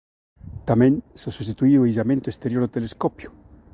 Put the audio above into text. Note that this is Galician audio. Tamén se substituíu o illamento exterior do telescopio.